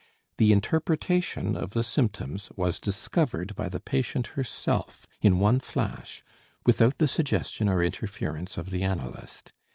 The interpretation of the symptoms was discovered by the patient herself in one flash, without the suggestion or interference of the analyst.